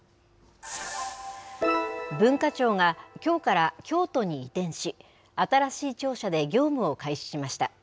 文化庁がきょうから京都に移転し、新しい庁舎で業務を開始しました。